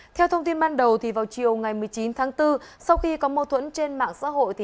theo thông tin ban đầu vào chiều ngày một mươi chín tháng bốn sau khi có mâu thuẫn trên mạng xã hội